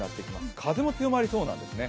風も強まりそうなんですね。